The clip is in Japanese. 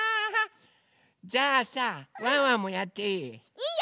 じゃあさワンワンもやっていい？